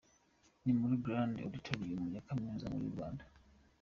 Ni muri Grand Auditorium ya Kaminuza Nkuru yu Rwanda.